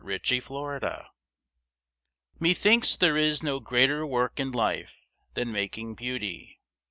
BEAUTY MAKING Methinks there is no greater work in life Than making beauty.